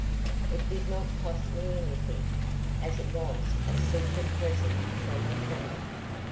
It did not cost me anything, as it was a secret present from a friend.